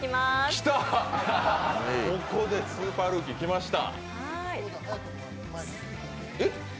来た、ここでスーパールーキーきました！